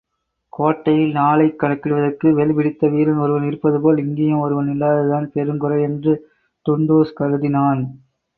கோட்டையில் நாளைக் கணக்கிடுவதற்கு, வேல்பிடித்தவீரன் ஒருவன் இருப்பதுபோல், இங்கேயும் ஒருவன் இல்லாததுதான் பெருங்குறையென்று டுன்டுஷ் கருதினான்.